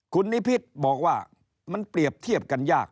คุณนิพิษบอกว่ามันเปรียบเทียบกันยาก